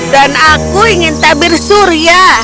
aku ingin tabir surya